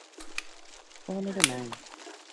তাহলে এটা ন্যায়!